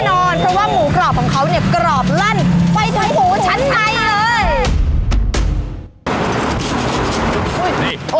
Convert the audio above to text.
เพราะว่าหมูกรอบของเขากรอบลั่นไปทั้งหูชั้นในเลย